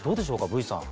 Ｖさん